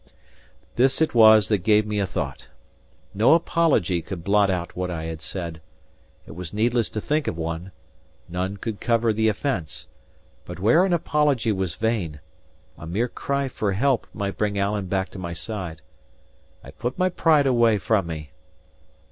This it was that gave me a thought. No apology could blot out what I had said; it was needless to think of one, none could cover the offence; but where an apology was vain, a mere cry for help might bring Alan back to my side. I put my pride away from me.